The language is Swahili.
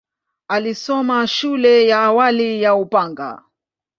Alisoma shule ya awali ya Upanga.